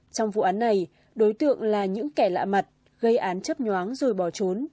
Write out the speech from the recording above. trong vụ án này đối tượng là những kẻ lạ mặt gây án chấp nhoáng rồi bỏ trốn